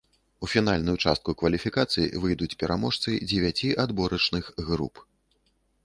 У фінальную частку кваліфікацыі выйдуць пераможцы дзевяці адборачных груп.